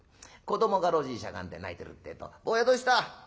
子どもが路地にしゃがんで泣いてるってえと「坊やどうした。